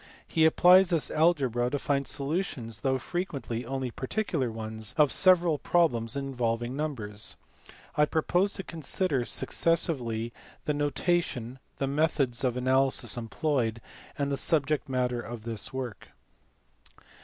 He applies this algebra to find solutions (though frequently only particular ones) of several problems involving numbers. I propose to consider successively the notation, the methods of analysis employed, and the subject matter of this work.